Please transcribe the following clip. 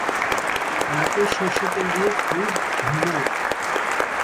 নাকে সরষের তেল দিয়ে খুব ঘুমোও।